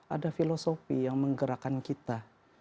ada filosofi yang menggerakkan kita